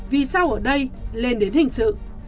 vì sao ở đây lên đến hình sự